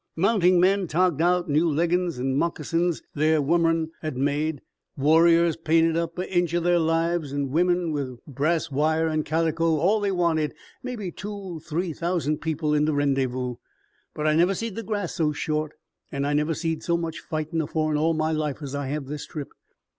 Mounting men togged out, new leggin's an' moccasins their womern had made, warriors painted up a inch o' their lives, an' women with brass wire an' calico all they wanted maybe two three thousand people in the Rendyvous. "But I never seed the grass so short, an' I never seed so much fightin' afore in all my life as I have this trip.